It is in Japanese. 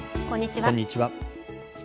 こんにちは。